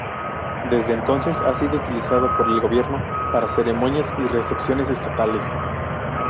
Desde entonces, ha sido utilizado por el Gobierno para ceremonias y recepciones estatales.